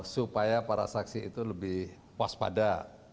supaya para saksi itu lebih puas pada